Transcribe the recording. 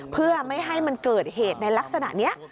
เพื่อไม่ให้มันเกิดเหตุในลักษณะนี้